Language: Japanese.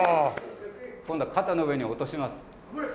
今度は肩の上に落とします。